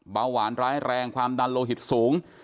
เบาหวานร้ายแรงความดันโลหิตสูง